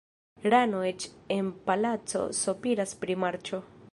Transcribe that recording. Rano eĉ en palaco sopiras pri marĉo.